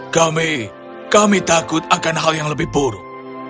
kami kami takut akan hal yang lebih buruk